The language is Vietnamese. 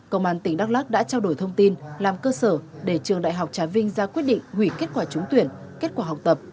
công an tỉnh đắk lắc đã trao đổi thông tin làm cơ sở để trường đại học trà vinh ra quyết định hủy kết quả trúng tuyển kết quả học tập